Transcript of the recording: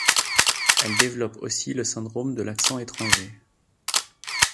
Elle développe aussi le syndrome de l'accent étranger.